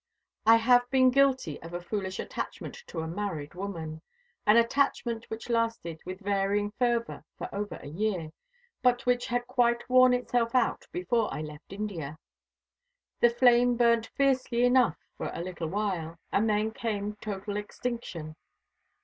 I have been guilty of a foolish attachment to a married woman, an attachment which lasted with varying fervour for over a year, but which had quite worn itself out before I left India. The flame burnt fiercely enough for a little while, and then came total extinction.